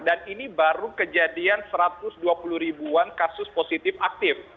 dan ini baru kejadian satu ratus dua puluh ribuan kasus positif aktif